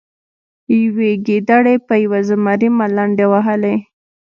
یوې ګیدړې په یو زمري ملنډې وهلې.